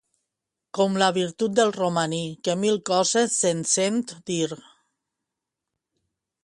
Com la virtut del romaní, que mil coses se'n sent dir.